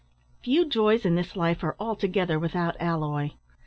Few joys in this life are altogether without alloy.